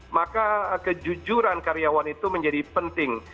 maka kejujuran karyawan itu menjadi penting